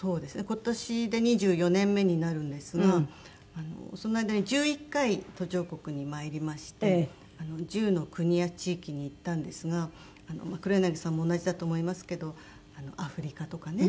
今年で２４年目になるんですがその間に１１回途上国に参りまして１０の国や地域に行ったんですが黒柳さんも同じだと思いますけどアフリカとかね